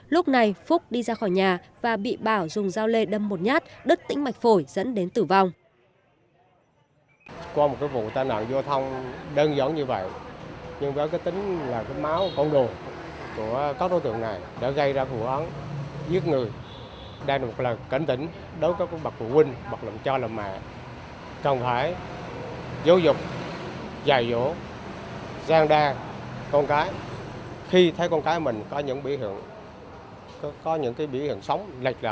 lúc này phúc đi ra khỏi nhà và bị bảo dùng dao lê đâm một nhát đứt tĩnh mạch phổi dẫn đến tử vong